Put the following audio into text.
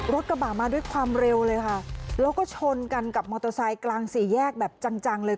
รถกระบะมาด้วยความเร็วเลยค่ะแล้วก็ชนกันกับมอเตอร์ไซค์กลางสี่แยกแบบจังจังเลย